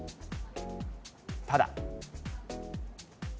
ただ。